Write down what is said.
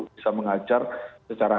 bisa mengajar secara